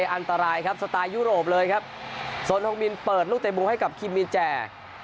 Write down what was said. อันตรายครับสไตล์ยุโรปเลยครับโซนทองมินเปิดลูกเตะมุมให้กับคิมมีแจ